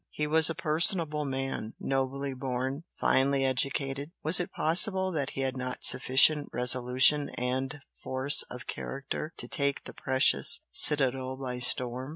He was a personable man, nobly born, finely educated, was it possible that he had not sufficient resolution and force of character to take the precious citadel by storm?